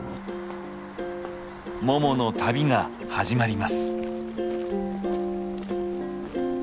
ももの旅が始まります。